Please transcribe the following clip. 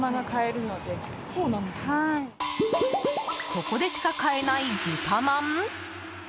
ここでしか買えないブタまん？